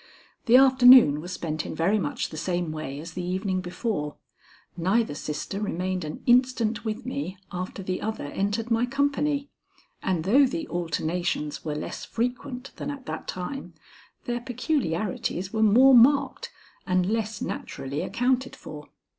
The afternoon was spent in very much the same way as the evening before. Neither sister remained an instant with me after the other entered my company, and though the alternations were less frequent than at that time, their peculiarities were more marked and less naturally accounted for.